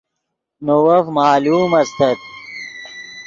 نے وف معلوم استت